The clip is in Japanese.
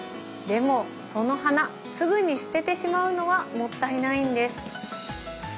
でもその花すぐに捨ててしまうのはもったいないんです。